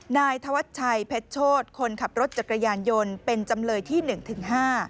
นายธวัชชัยเพชรโชธคนขับรถจักรยานยนต์เป็นจำเลยที่๑ถึง๕